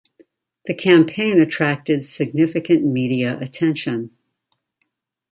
The campaign attracted significant media attention.